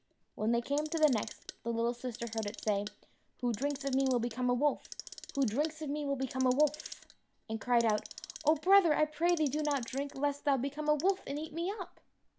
When they came to the next, the little sister heard it say, "Who drinks of me will become a wolf; who drinks of me will become a wolf!" and cried out, "Oh brother, I pray thee do not drink, lest thou become a wolf and eat me up."